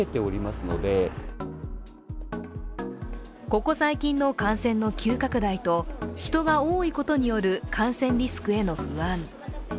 ここ最近の感染の急拡大と人が多いことによる感染リスクへの不安。